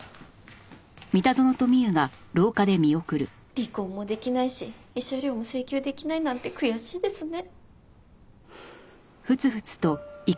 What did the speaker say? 離婚もできないし慰謝料も請求できないなんて悔しいですね。